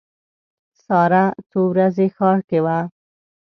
ساره څو ورځې ښار کې وه.